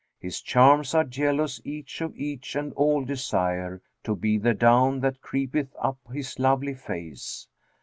His charms are jealous each of each, and all desire * To be the down that creepeth up his lovely face.'